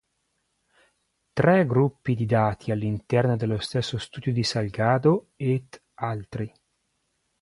Tre gruppi di dati all'interno dello stesso studio di Salgado "et al.